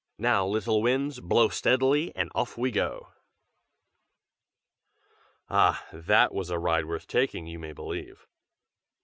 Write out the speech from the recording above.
now, little Winds, blow steadily and off we go!" Ah! that was a ride worth taking, you may believe.